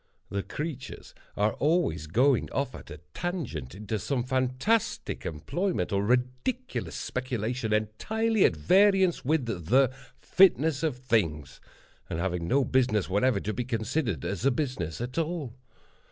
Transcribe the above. The creatures are always going off at a tangent into some fantastic employment, or ridiculous speculation, entirely at variance with the "fitness of things," and having no business whatever to be considered as a business at all.